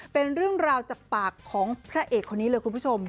เป็นเรื่องราวจากปากของพระเอกคนนี้เลยคุณผู้ชม